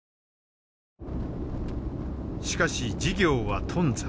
しかし事業は頓挫。